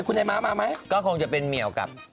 คุณแม่ก็จะออกมากับ